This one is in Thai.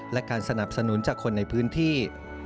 และการสนับสนุนจากคนในพื้นที่